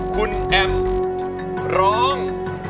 คุณแอมร้อง